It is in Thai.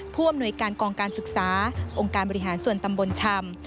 ผู้อำนวยการกองการศึกษาองค์การบริหารส่วนตำบลชำ